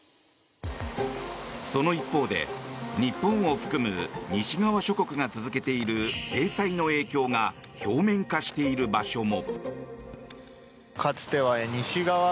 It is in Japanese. その一方で日本を含む西側諸国が続けている制裁の影響が表面化している場所も。